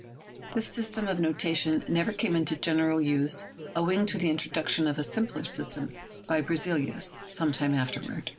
This system of notation never came into general use owing to the introduction of a simpler system by Berzelius some time afterward.